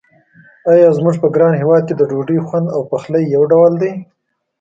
آیا زموږ په ګران هېواد کې د ډوډۍ خوند او پخلی یو ډول دی.